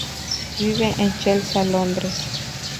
Vive en Chelsea, Londres.